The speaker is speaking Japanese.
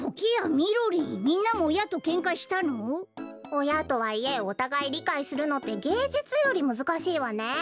おやとはいえおたがいりかいするのってげいじゅつよりむずかしいわね。